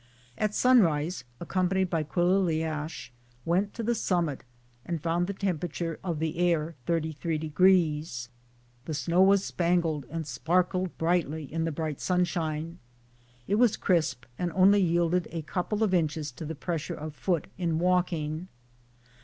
At sunrise, ac companied by Quilliliash, went to the summit and found the tempr. of the air 3 3 deg. The snow was span gled and sparkled brightly in the bright sunshine. It was crisp and only yielded a couple of inches to the pressure of foot in walking.